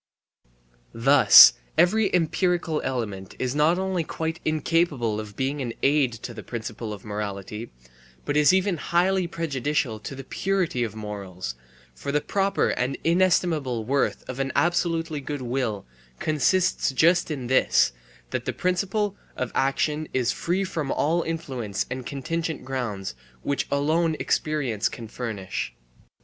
Thus every empirical element is not only quite incapable of being an aid to the principle of morality, but is even highly prejudicial to the purity of morals, for the proper and inestimable worth of an absolutely good will consists just in this, that the principle of action is free from all influence of contingent grounds, which alone experience can furnish.